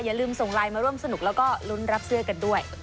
อย่าลืมส่งไลน์มาร่วมสนุกแล้วก็ลุ้นรับเสื้อกันด้วย